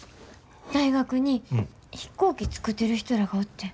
大学に飛行機作ってる人らがおってん。